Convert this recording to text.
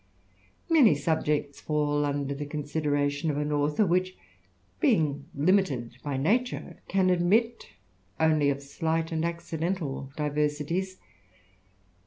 Many subjects fall under the consideration of an author, ^^ich, being limited by nature, can admit only of slight and accidental diversities.